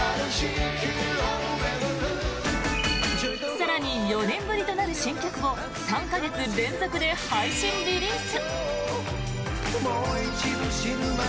更に、４年ぶりとなる新曲を３か月連続で配信リリース。